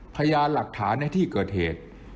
พยานหลักฐานในที่เกิดเหตุ